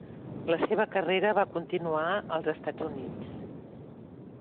La seva carrera va continuar als Estats Units.